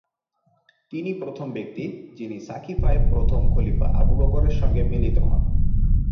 তিনি প্রথম ব্যক্তি যিনি সাকিফায় প্রথম খলিফা আবু বকর এর সঙ্গে মিলিত হন।